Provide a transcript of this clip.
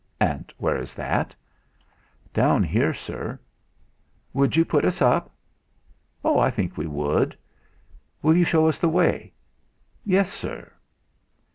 "And where is that?" "Down here, sir." "Would you put us up?" "Oh! I think we would." "Will you show us the way?" "Yes, Sir."